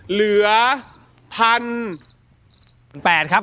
เหลือ๑๘๐๐๐ครับ